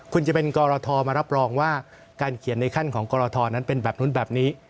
คุณจะเป็นกรทมารับรองว่าการเขียนในขั้นของกรทนั้นเป็นแบบนู้นแบบนี้